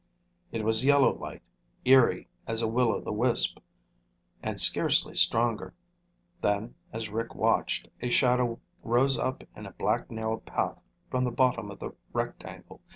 It was yellow light, eerie as a will o' the wisp and scarcely stronger. Then, as Rick watched, a shadow rose up in a black narrow path from the bottom of the rectangle.